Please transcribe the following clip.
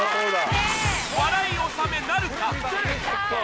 笑い納めなるか？